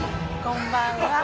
・こんばんは。